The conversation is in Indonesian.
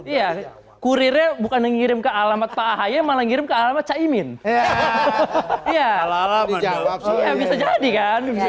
iya kurirnya bukan ngirim ke alamat pak ahy malah ngirim ke alamat caimin ya bisa jadi kan bisa